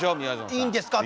いいんですか？